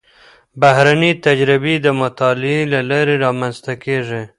بهرنۍ تجربې د مطالعې له لارې رامنځته کېږي.